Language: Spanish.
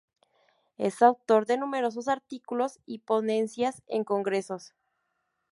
Es autor de numerosos artículos y ponencias en congresos.